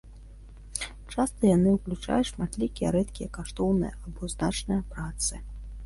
Часта яны ўключаюць шматлікія рэдкія, каштоўныя, або значныя працы.